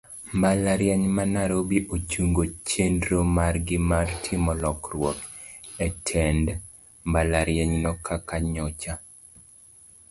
Mbalariany ma nairobi ochungo chienro margi mar timo lokruok etend mbalarianyno kaka nyocha osechan.